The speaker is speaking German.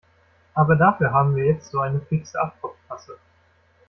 Aber dafür haben wir jetzt so eine fixe Abtropftasse.